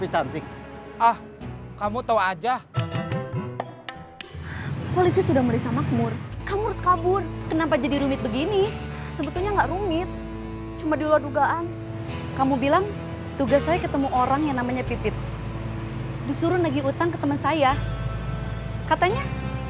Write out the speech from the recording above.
ini harusnya cuma permainan sederhana